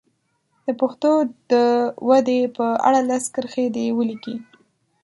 د پښتو د ودې په اړه لس کرښې دې ولیکي.